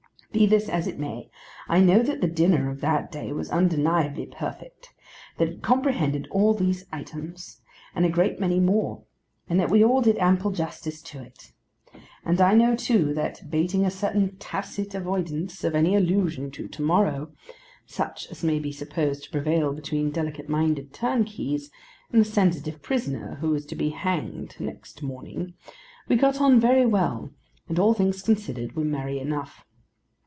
Be this as it may, I know that the dinner of that day was undeniably perfect; that it comprehended all these items, and a great many more; and that we all did ample justice to it. And I know too, that, bating a certain tacit avoidance of any allusion to to morrow; such as may be supposed to prevail between delicate minded turnkeys, and a sensitive prisoner who is to be hanged next morning; we got on very well, and, all things considered, were merry enough.